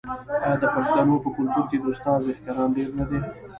آیا د پښتنو په کلتور کې د استاد احترام ډیر نه دی؟